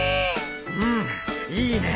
うんいいね。